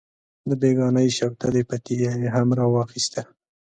د بېګانۍ شوتلې پتیله یې هم راواخیسته.